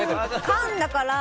缶だから。